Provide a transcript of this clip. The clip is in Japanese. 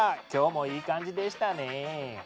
今日もいい感じでしたね。